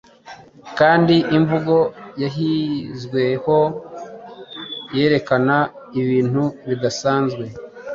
Kandi imvugo yahizweho, yerekana ibintu bidaanzwe